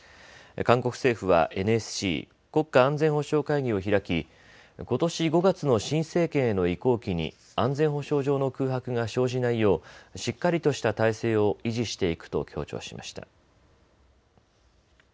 韓国政府はＮＳＣ・国家安全保障会議を開きことし５月の新政権への移行期に安全保障上の空白が生じないようしっかりとした態勢を維持していくと強調しました。